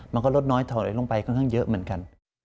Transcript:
มันก็ลดน้อยถอยลงไปค่อนข้างเยอะเหมือนกัน